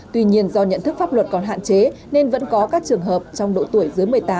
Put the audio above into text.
tuy nhiên do nhận thức pháp luật còn hạn chế nên vẫn có các trường hợp trong độ tuổi dưới một mươi tám